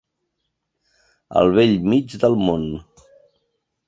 Al bell mig del món.